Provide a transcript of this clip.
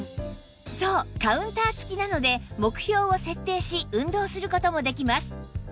そうカウンター付きなので目標を設定し運動する事もできます